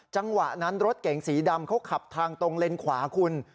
จังหวะนั้นรถเก๋งสีดำเขาขับทางตรงเลนขวาคุณ